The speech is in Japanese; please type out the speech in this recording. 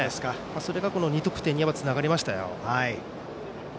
それが、この２得点につながりましたよ。